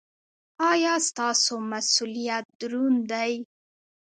ایا ستاسو مسؤلیت دروند دی؟